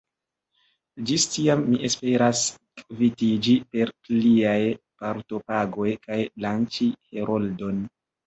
Ĝis tiam mi esperas kvitiĝi per pliaj partopagoj kaj lanĉi Heroldon.